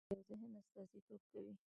هر لیکل شوی فکر د یو ذهن استازیتوب کوي.